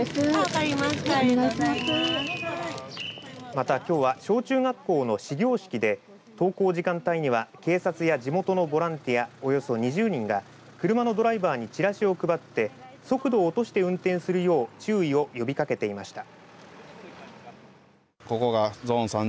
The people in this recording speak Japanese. またきょうは小中学校の始業式で登校時間帯には警察や地元のボランティアおよそ２０人が車のドライバーにチラシを配って速度を落として運転するよう注意を呼びかけていました。